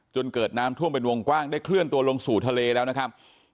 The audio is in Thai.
เกิดน้ำท่วมเป็นวงกว้างได้เคลื่อนตัวลงสู่ทะเลแล้วนะครับ